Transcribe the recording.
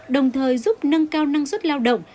đồng thời giúp nâng cao năng suất lao động